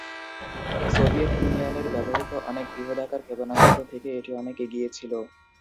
Soviet ইউনিয়নের ব্যবহৃত অন্যান্য বৃহদাকার ক্ষেপণাস্ত্র থেকে এটি অনেক এগিয়ে ছিল।